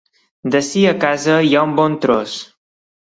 D'ací a casa hi ha un bon tros.